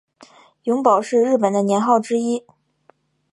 永保是日本的年号之一。